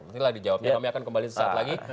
nanti lah dijawabin kami akan kembali sesaat lagi